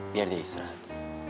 biar dia istirahat